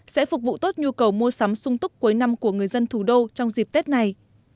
sẽ phục vụ tốt nhu cầu mua sắm sung túc cuối năm của người dân thủ đô trong dịp tết này